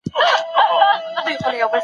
علم مخکي لا د نړۍ ډېري تيارې روښانه کړي وې.